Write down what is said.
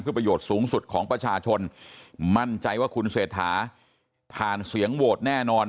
ประโยชน์สูงสุดของประชาชนมั่นใจว่าคุณเศรษฐาผ่านเสียงโหวตแน่นอน